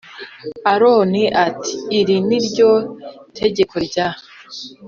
Aroni ati iri ni ryo tegeko rya